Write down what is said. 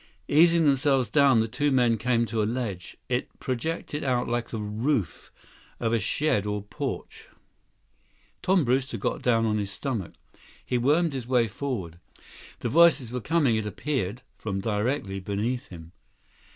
Easing themselves down, the two men came to a ledge. It projected out like the roof of a shed or porch. Tom Brewster got down on his stomach. He wormed his way forward. The voices were coming, it appeared, from directly beneath him.